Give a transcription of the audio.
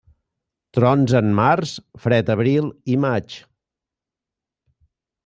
Trons en març, fred abril i maig.